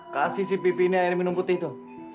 kasih si bibi ini air minum putih tuh